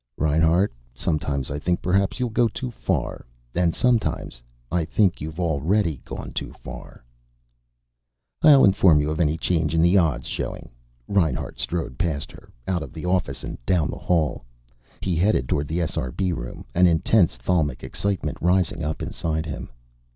"Reinhart, sometimes I think perhaps you'll go too far. And sometimes I think you've already gone too far...." "I'll inform you of any change in the odds showing." Reinhart strode past her, out of the office and down the hall. He headed toward the SRB room, an intense thalamic excitement rising up inside him.